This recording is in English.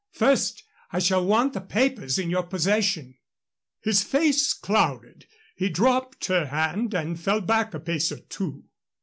First, I shall want the papers in your possession." His face clouded; he dropped her hand and fell back a pace or two.